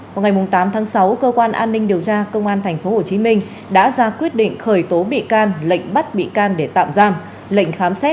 vào ngày tám tháng sáu cơ quan an ninh điều tra công an tp hcm đã ra quyết định khởi tố bị can lệnh bắt bị can để tạm giam lệnh khám xét